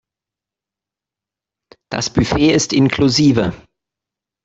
Das Buffet ist inklusive.